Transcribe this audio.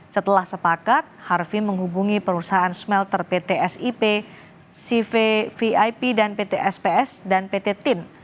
setelah sepakat harvi menghubungi perusahaan smelter pt sip cv vip dan pt sps dan pt tin